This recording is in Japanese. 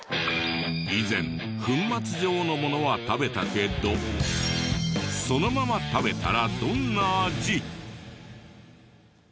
以前粉末状のものは食べたけどそのまま食べたらどんな味？